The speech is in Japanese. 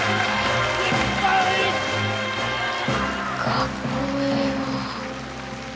かっこええわ。